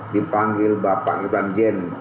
dipanggil bapak iwan jen